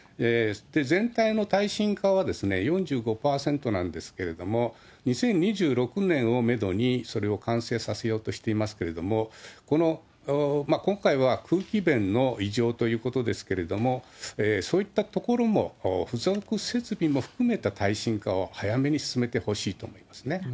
全体の耐震化は４５％なんですけれども、２０２６年をメドに、それを完成させようとしていますけれども、今回は空気弁の異常ということですけれども、そういった所も、付属設備も含めた耐震化を早めに進めてほしいと思いますね。